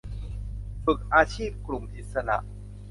ฝึกอาชีพกลุ่มอิสระ